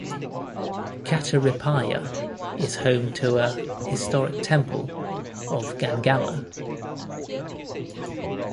Kataripalya is home to a historic temple of Gangamma.